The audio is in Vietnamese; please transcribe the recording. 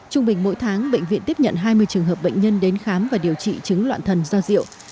trung bình mỗi tháng bệnh viện tiếp nhận hai mươi trường hợp bệnh nhân đến khám và điều trị chứng loạn thần do rượu